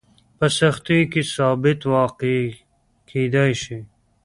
په سختیو کې ثابت واقع کېدای شي.